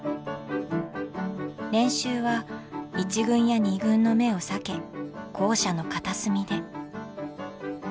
練習は１軍や２軍の目を避け校舎の片隅で。